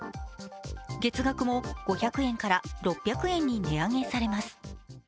月額も５００円から６００円に値上げされます。